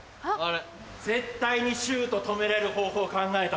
絶対にシュート止めれる方法を考えたぞ。